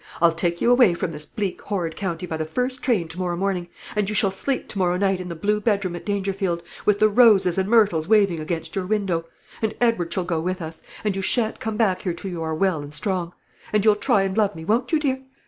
I'll take you away from this bleak horrid county by the first train to morrow morning, and you shall sleep to morrow night in the blue bedroom at Dangerfield, with the roses and myrtles waving against your window; and Edward shall go with us, and you shan't come back here till you are well and strong; and you'll try and love me, won't you, dear?